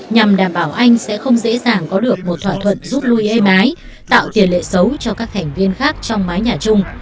nhằm đảm bảo anh sẽ không dễ dàng có được một thỏa thuận giúp nuôi ê mái tạo tiền lệ xấu cho các thành viên khác trong mái nhà chung